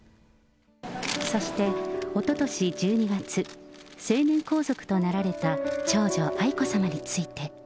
そして、おととし１２月、成年皇族となられた長女、愛子さまについて。